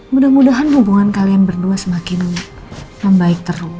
mudah mudahan hubungan kalian berdua semakin membaik terus